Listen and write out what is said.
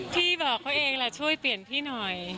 พี่บอกเขาเองล่ะช่วยเปลี่ยนพี่หน่อย